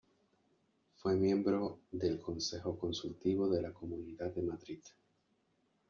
Fue miembro del Consejo Consultivo de la Comunidad de Madrid.